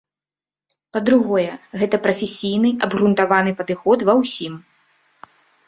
Па-другое, гэта прафесійны абгрунтаваны падыход ва ўсім.